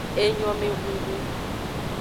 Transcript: Enyomehunhun.